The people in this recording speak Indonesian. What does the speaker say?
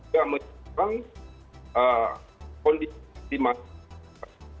kita harus mencari kondisi masing masing